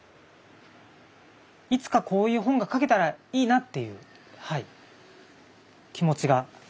いつかこういう本が描けたらいいなっていうはい気持ちがあります。